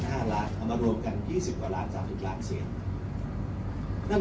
ของรวมกัน๒๐กว่าร้าน๓๐ล้านเสียง